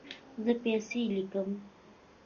زه پیسې لیکم